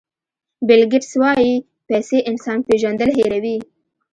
بیل ګېټس وایي پیسې انسان پېژندل هیروي.